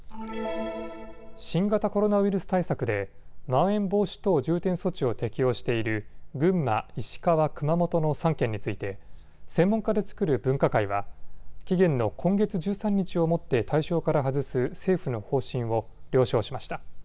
新型コロナウイルス対策でまん延防止等重点措置を適用している群馬、石川、熊本の３県について専門家で作る分科会は期限の今月１３日をもって対象から外す政府の方針を了承しました。